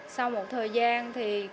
sau một thời gian thì